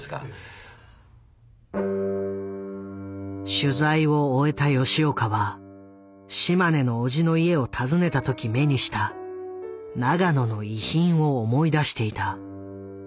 取材を終えた吉岡は島根の叔父の家を訪ねた時目にした永野の遺品を思い出していた。